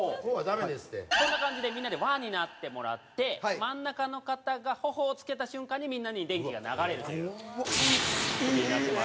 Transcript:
こんな感じでみんなで輪になってもらって真ん中の方が頬をつけた瞬間にみんなに電気が流れるという仕組みになってます。